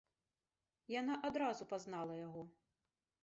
Яна адразу пазнала яго.